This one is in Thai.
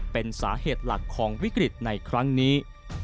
เป็นสาเหตุหลักของวิกฤตในครั้งนี้